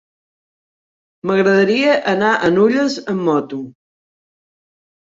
M'agradaria anar a Nulles amb moto.